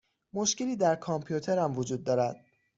مشکلی در کامپیوترم وجود دارد.